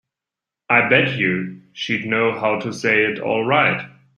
I bet you she'd know how to say it all right.